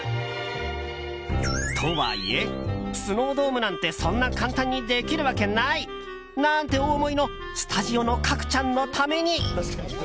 とはいえ、スノードームなんてそんな簡単にできるわけないなんてお思いのスタジオの角ちゃんのために。